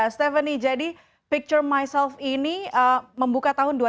stephanie jadi picture myself ini membuka tahun dua ribu dua puluh dua ya